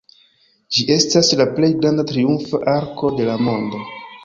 Ĝi estas la plej granda triumfa arko de la mondo.